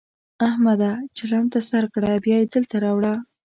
احمده! چلم ته سر کړه؛ بيا يې دلته راوړه.